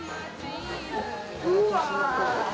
うわ！